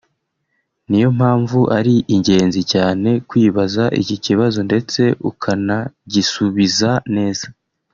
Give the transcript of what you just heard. niyo mpamvu ari ingenzi cyane kwibaza iki kibazo ndetse ukanagisubiza neza